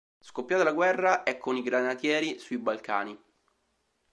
Scoppiata la guerra, è con i Granatieri sui Balcani.